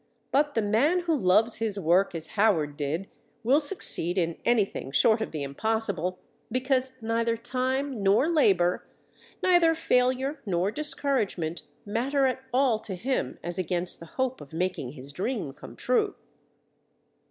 But the man who loves his work as Howard did will succeed in anything short of the impossible, because neither time nor labor, neither failure nor discouragement, matter at all to him as against the hope of making his dream come true.